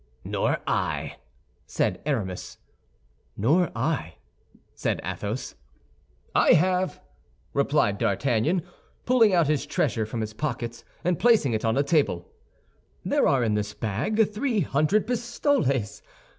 "Nor I," said Aramis. "Nor I," said Athos. "I have," replied D'Artagnan, pulling out his treasure from his pocket, and placing it on the table. "There are in this bag three hundred pistoles.